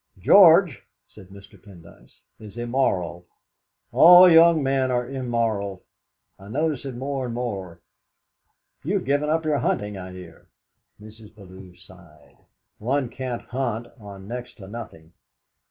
"George," said Mr. Pendyce, "is immoral. All young men are immoral. I notice it more and more. You've given up your hunting, I hear." Mrs. Bellew sighed. "One can't hunt on next to nothing!"